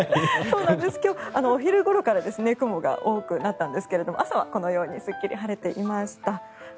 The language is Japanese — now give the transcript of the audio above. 今日、お昼ごろから雲が多くなったんですけども朝はこのようにすっきり晴れていました。